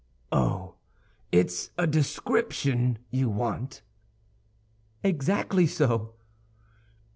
"Oh, it's a description you want?" "Exactly so."